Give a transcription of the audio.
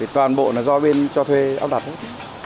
toàn bộ là do bên cho thuê áp đặt hết